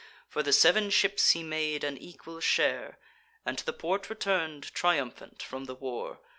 For the sev'n ships he made an equal share, And to the port return'd, triumphant from the war.